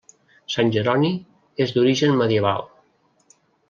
Sant Jeroni és d'origen medieval.